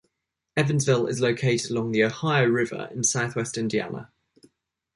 Evansville is located along the Ohio River in southwest Indiana.